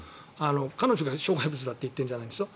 彼女が障害物だと言っているんじゃないですよ。